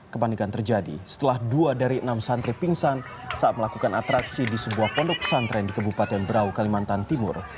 kepanikan terjadi setelah dua dari enam santri pingsan saat melakukan atraksi di sebuah pondok pesantren di kebupaten berau kalimantan timur